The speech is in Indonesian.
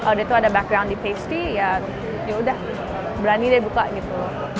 udah itu ada background di pasty yaudah berani deh buka gitu